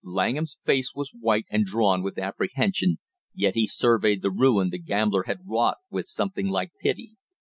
Langham's face was white and drawn with apprehension, yet he surveyed the ruin the gambler had wrought with something like pity.